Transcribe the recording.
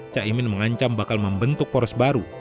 caimin mengancam bakal membentuk poros baru